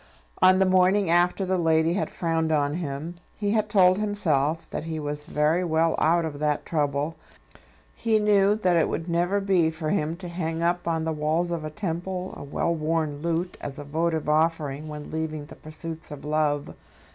On the morning after the lady had frowned on him he had told himself that he was very well out of that trouble. He knew that it would never be for him to hang up on the walls of a temple a well worn lute as a votive offering when leaving the pursuits of love.